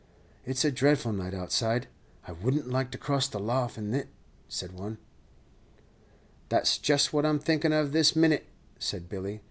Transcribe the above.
"It's a dreadful night outside; I would n't like to cross the lough in it," said one. "Then that's just what I'm thinking of this minit," said Billy.